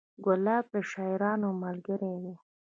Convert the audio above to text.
ګلاب د شاعرانو ملګری دی.